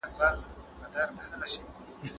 موږ بايد د خپلو پلرونو فکري لاره په دقت وارزوو.